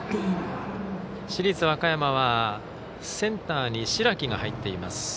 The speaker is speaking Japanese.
市立和歌山はセンターに白木が入っています。